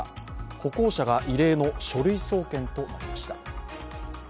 歩行者が異例の書類送検となりました。